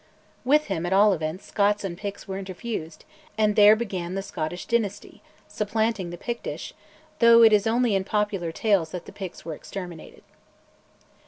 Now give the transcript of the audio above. With him, at all events, Scots and Picts were interfused, and there began the Scottish dynasty, supplanting the Pictish, though it is only in popular tales that the Picts were exterminated.